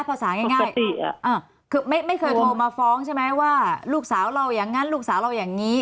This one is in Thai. ภาษาง่ายคือไม่เคยโทรมาฟ้องใช่ไหมว่าลูกสาวเราอย่างนั้นลูกสาวเราอย่างนี้